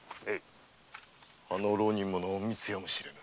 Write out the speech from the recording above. あの浪人者隠密やもしれぬ。